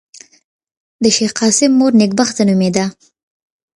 د شېخ قاسم مور نېکبخته نومېده.